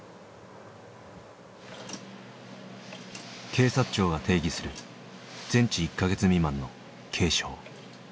警察庁が定義する全治１カ月未満の「軽傷」。